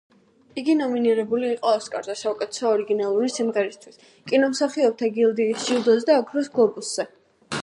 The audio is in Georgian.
იგი ნომინირებული იყო ოსკარზე საუკეთესო ორიგინალური სიმღერისთვის, კინომსახიობთა გილდიის ჯილდოზე და ოქროს გლობუსზე.